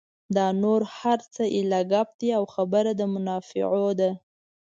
دا نور هر څه ایله ګپ دي او خبره د منافعو ده.